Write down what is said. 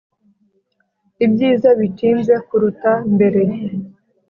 ibyiza bitinze kuruta mbere